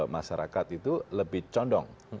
masyarakat itu lebih condong